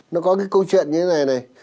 nó có cái câu chuyện như thế này này